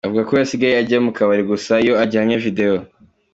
Avuga ko we asigaye ajya mu kabari gusa iyo ajyanye video.